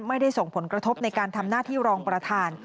ไม่ได้ส่งผลกระทบในการทำหน้าที่รองประธาน